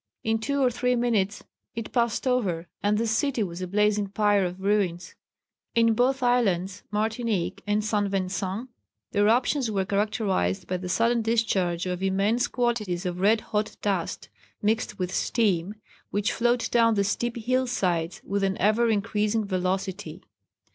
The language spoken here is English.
In two or three minutes it passed over, and the city was a blazing pyre of ruins. In both islands [Martinique and St. Vincent] the eruptions were characterised by the sudden discharge of immense quantities of red hot dust, mixed with steam, which flowed down the steep hillsides with an ever increasing velocity.